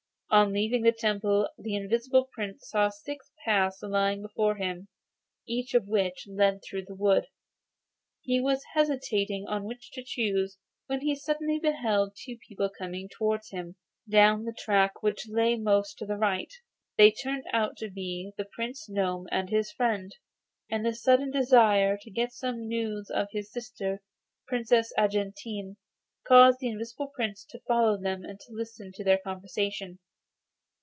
On leaving the temple the Invisible Prince saw six paths lying before him, each of which led through the wood. He was hesitating which to choose, when he suddenly beheld two people coming towards him, down the track which lay most to his right. They turned out to be the Prince Gnome and his friend, and the sudden desire to get some news of his sister, Princess Argentine, caused the Invisible Prince to follow them and to listen to their conversation.